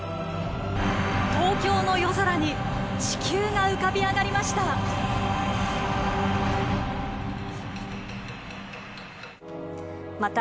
東京の夜空に地球が浮かび上がりました。